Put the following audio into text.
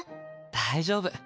大丈夫。